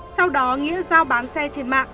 sau đó nghĩa giao bán xe trên mạng